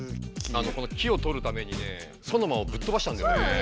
この「き」をとるためにねソノマをぶっとばしたんだよね。